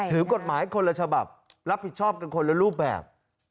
ถือกฎหมายคนละฉบับรับผิดชอบกันคนละรูปแบบ